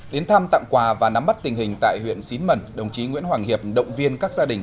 đến thăm tặng quà và nắm bắt tình hình tại huyện xín mần đồng chí nguyễn hoàng hiệp động viên các gia đình